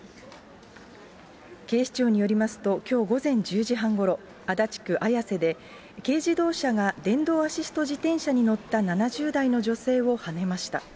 警視庁によりますと、きょう午前１０時半ごろ、足立区綾瀬で軽自動車が電動アシスト自転車に乗った７０代の女性をはねました。